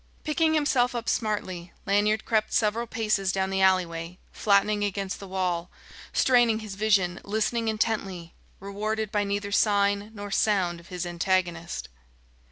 Picking himself up smartly, Lanyard crept several paces down the alleyway, flattening against the wall, straining his vision, listening intently, rewarded by neither sign nor sound of his antagonist.